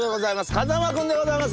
風間君でございます。